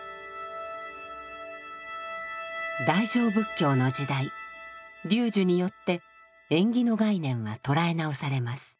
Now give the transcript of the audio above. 大乗仏教の時代龍樹によって縁起の概念は捉え直されます。